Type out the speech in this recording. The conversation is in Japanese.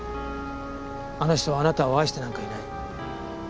あの人はあなたを愛してなんかいない。